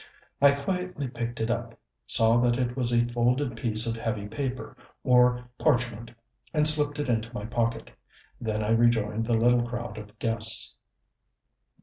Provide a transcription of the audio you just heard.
I quietly picked it up, saw that it was a folded piece of heavy paper or parchment, and slipped it into my pocket. Then I rejoined the little crowd of guests.